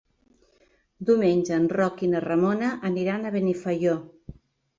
Diumenge en Roc i na Ramona aniran a Benifaió.